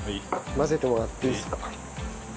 混ぜてもらっていいですか？